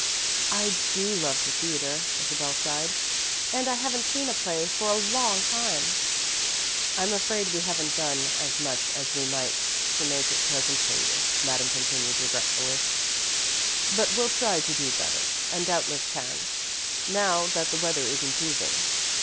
"I do love the theatre," Isabel sighed, "and I haven't seen a play for a long time." "I'm afraid we haven't done as much as we might to make it pleasant for you," Madame continued, regretfully, "but we'll try to do better and doubtless can, now that the weather is improving."